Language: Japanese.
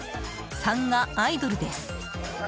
３がアイドルです。